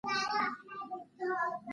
پنېر د مسافرو آسان خواړه ګڼل کېږي.